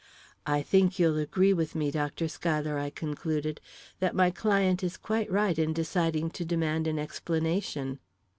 "I think you'll agree with me, Dr. Schuyler," I concluded, "that my client is quite right in deciding to demand an explanation."